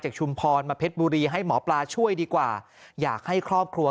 ชุมพรมาเพชรบุรีให้หมอปลาช่วยดีกว่าอยากให้ครอบครัว